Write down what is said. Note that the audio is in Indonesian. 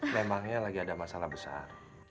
memangnya lagi ada masalah besar